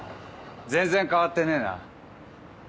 全然変わってねえな。